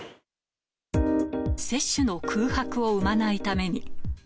接種の空白を生まないために。